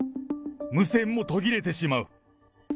無線も途切れてしまう！